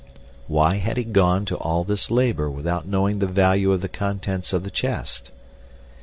Why had he gone to all this labor without knowing the value of the contents of the chest?